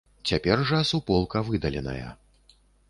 Цяпер жа суполка выдаленая.